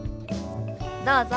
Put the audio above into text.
どうぞ。